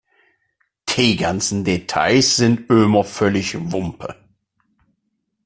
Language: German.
Die ganzen Details sind Ömer völlig wumpe.